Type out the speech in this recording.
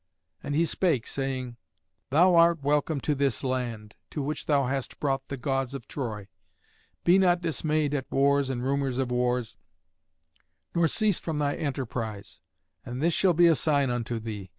And he spake, saying, "Thou art welcome to this land, to which thou hast brought the Gods of Troy. Be not dismayed at wars and rumours of wars, nor cease from thy enterprise. And this shall be a sign unto thee.